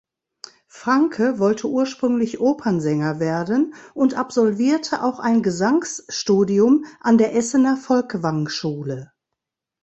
Franke wollte ursprünglich Opernsänger werden und absolvierte auch ein Gesangsstudium an der Essener Folkwang-Schule.